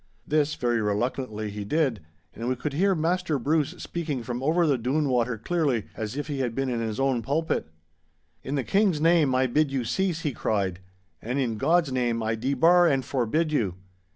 This, very reluctantly, he did, and we could hear Master Bruce speaking from over the Doon Water clearly, as if he had been in his own pulpit. 'In the King's name I bid you cease,' he cried; 'and in God's name I debar and forbid you.